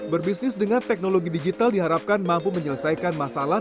berbisnis dengan teknologi digital diharapkan mampu menyelesaikan masalah